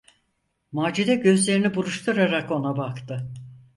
Macide gözlerini buruşturarak ona baktı.